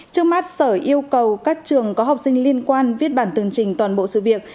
trước mắt sở yêu cầu các trường có học sinh liên quan viết bản tường trình toàn bộ sự việc